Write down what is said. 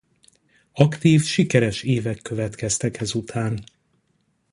Aktív, sikeres évek következtek ezután.